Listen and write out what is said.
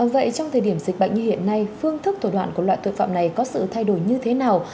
vậy trong thời điểm dịch bệnh như hiện nay phương thức thủ đoạn của loại tội phạm này có sự thay đổi như thế nào